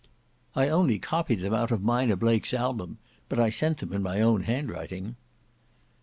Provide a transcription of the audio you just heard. "I only copied them out of Mina Blake's album: but I sent them in my own handwriting."